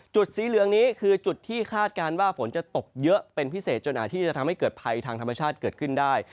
สีเหลืองนี้คือจุดที่คาดการณ์ว่าฝนจะตกเยอะเป็นพิเศษจนอาจที่จะทำให้เกิดภัยทางธรรมชาติเกิดขึ้นได้